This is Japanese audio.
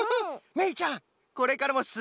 めいちゃんこれからもすんばらしい